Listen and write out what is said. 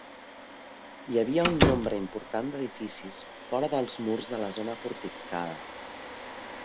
Hi havia un nombre important d'edificis fora dels murs de la zona fortificada.